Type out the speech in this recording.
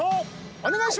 お願いします！